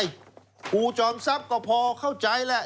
ครูจอมทรัพย์ก็พอเข้าใจแหละ